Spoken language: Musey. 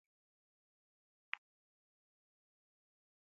Va ma iirigi jivina ni mi ge.